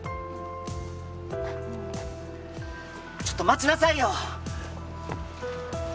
ちょっと待ちなさいよ。